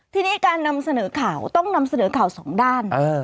ทีนี้การนำเสนอข่าวต้องนำเสนอข่าวสองด้าน